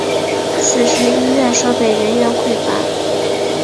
此时医院设备人员匮乏。